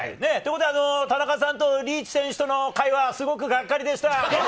田中さんとリーチ選手との会話、すごくがっかりでした！